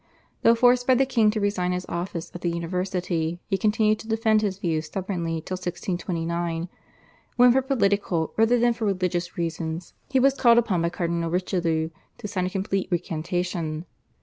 Though forced by the king to resign his office at the University he continued to defend his views stubbornly till 1629, when for political rather than for religious reasons he was called upon by Cardinal Richelieu to sign a complete recantation.